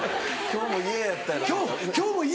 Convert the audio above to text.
今日も嫌やった？